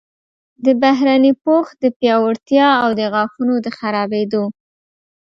د بهرني پوښ د پیاوړتیا او د غاښونو د خرابیدو